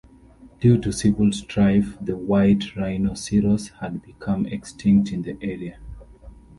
Due to civil strife, the white rhinoceros had become extinct in the area.